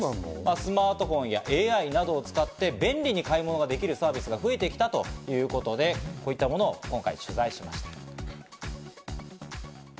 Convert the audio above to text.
スマートフォンやＡＩなどを使って、便利に買い物ができるサービスが増えてきたということで、こういったものを今回取材しました。